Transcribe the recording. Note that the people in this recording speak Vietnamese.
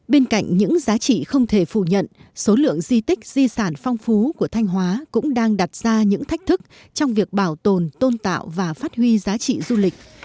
bên cạnh những giá trị không thể phủ nhận số lượng di tích di sản phong phú của thanh hóa cũng đang đặt ra những thách thức trong việc bảo tồn tôn tạo và phát huy giá trị du lịch